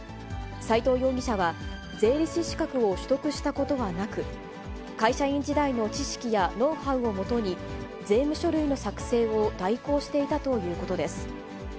斉藤容疑者は、税理士資格を取得したことはなく、会社員時代の知識やノウハウをもとに、税務書類の作成を代行していたということです。